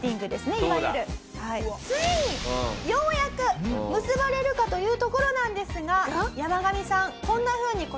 ついにようやく結ばれるか？というところなんですがヤマガミさんこんなふうに答えます。